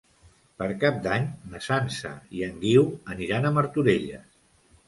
Per Cap d'Any na Sança i en Guiu aniran a Martorelles.